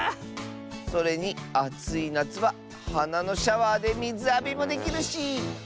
それにあついなつははなのシャワーでみずあびもできるし。